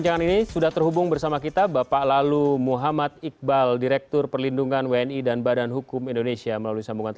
sampai saat ini kita belum sempat berkomunikasi langsung dengan siti aisyah